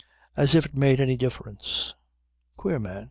As if it made any difference. Queer man."